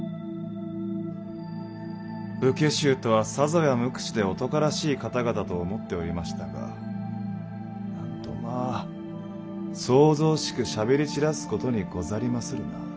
武家衆とはさぞや無口で男らしい方々と思っておりましたがなんとまぁ騒々しくしゃべり散らすことにござりまするな。